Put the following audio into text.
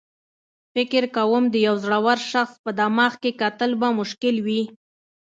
فکر کوم د یو زړور شخص په دماغ کې کتل به مشکل وي.